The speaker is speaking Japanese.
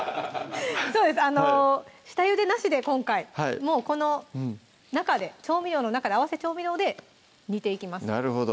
下ゆでなしで今回もうこの中で調味料の中で合わせ調味料で煮ていきます